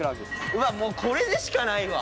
うわもうこれでしかないわ！